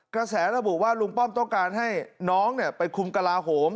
กระแสระบุว่าลุงป้อมต้องการให้น้องไปคุมกระลาโหม